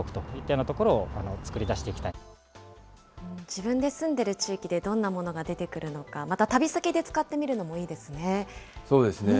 自分で住んでる地域でどんなものが出てくるのか、また旅先で使ってみるのもいいですね。